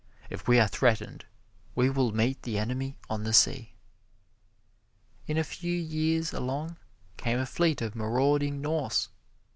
If we are threatened we will meet the enemy on the sea." In a few years along came a fleet of marauding Norse.